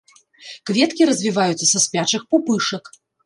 Кветкі развіваюцца са спячых пупышак.